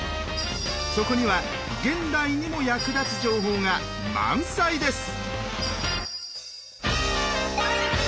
そこには現代にも役立つ情報が満載です！